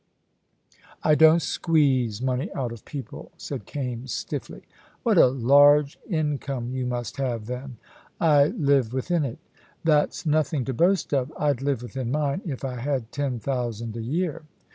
"I don't squeeze money out of people," said Kaimes, stiffly. "What a large income you must have, then." "I live within it." "That's nothing to boast of. I'd live within mine, if I had ten thousand a year."